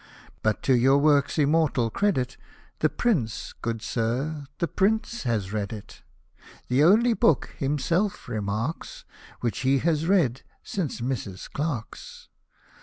But, to your work's immortal credit, The Pr — n — e, good Sir, the Pr — n — e has read it (The only Book, himself remarks, Which he has read since Mrs. Clarke's).